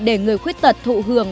để người khuyết thật thụ hưởng